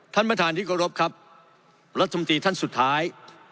ท่านประธานที่เคารพครับรัฐมนตรีท่านสุดท้าย